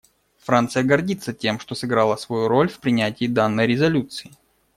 Франция гордится тем, что сыграла свою роль в принятии данной резолюции.